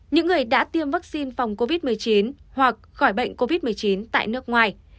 những người đã tiêm vaccine phòng covid một mươi chín hoặc khỏi bệnh covid một mươi chín tại nước ngoài